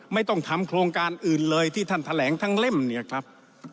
ไม่ต้องทำโครงการอื่นเลยที่ท่านแถลงทั้งเล่มเนี่ยครับ